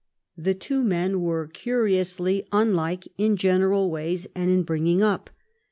The two men were curiously unlike in general ways and in bringing up.